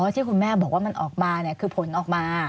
ที่คุณแม่บอกว่ามันออกมาคือผลออกมา